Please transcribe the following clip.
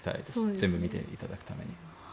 全部見ていただくために。